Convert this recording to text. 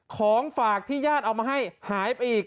ของฝากที่ญาติเอามาให้หายไปอีก